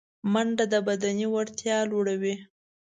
منډه د بدني وړتیا لوړوي